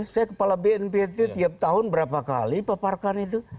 saya kepala bnpt tiap tahun berapa kali paparkan itu